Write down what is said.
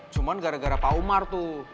cuma gara gara pak umar tuh